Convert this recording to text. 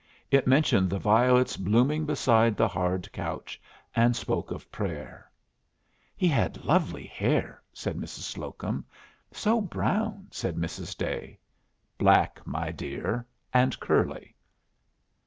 It mentioned the violets blooming beside the hard couch, and spoke of prayer. "He had lovely hair," said Mrs. Slocum. "So brown!" said Mrs. Day. "Black, my dear, and curly."